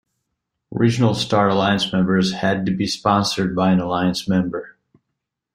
Regional Star Alliance members had to be sponsored by an alliance member.